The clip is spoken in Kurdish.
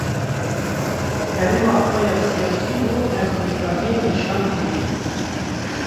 herêma xwe ya siyasî û erdnigariyê nişan kiriye.